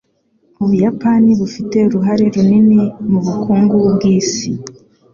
Ubuyapani bufite uruhare runini mubukungu bwisi